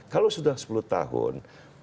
kalau sudah sepuluh tahun